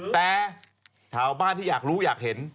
แต่ชาวบ้านที่อยากรู้อยากเห็น